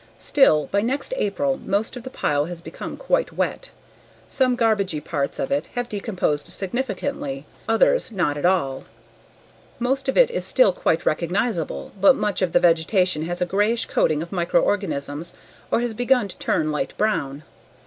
Still, by next April most of the pile has become quite wet. Some garbagey parts of it have decomposed significantly, others not at all; most of it is still quite recognizable but much of the vegetation has a grayish coating of microorganisms or has begun to turn light brown.